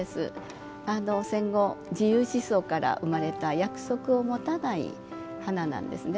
戦後自由思想から生まれた約束を持たない花なんですね。